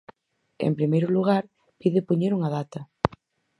En primeiro lugar, pide poñer unha data.